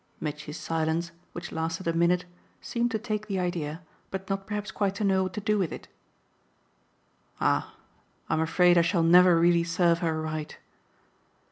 Mitchy's silence, which lasted a minute, seemed to take the idea, but not perhaps quite to know what to do with it. "Ah I'm afraid I shall never really serve her right!"